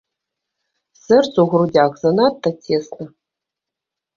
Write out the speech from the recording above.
Сэрцу ў грудзях занадта цесна.